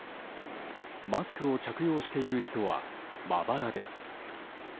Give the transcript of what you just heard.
マスクを着用している人はまばらです。